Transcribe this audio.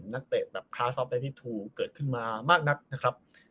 มากนักเตะการสสอบให้ที่ทุกอีกตัวขึ้นมามากนักนะครับแต่